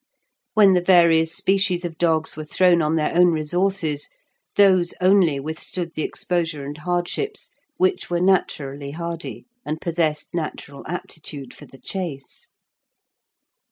When the various species of dogs were thrown on their own resources, those only withstood the exposure and hardships which were naturally hardy, and possessed natural aptitude for the chase.